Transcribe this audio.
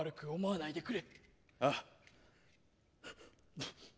ああ。